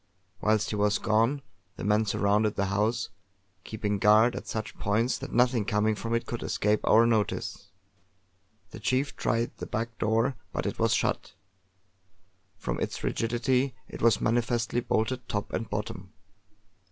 Whilst he was gone, the men surrounded the house, keeping guard at such points that nothing coming from it could escape our notice. The chief tried the back door but it was shut; from its rigidity it was manifestly bolted top and bottom.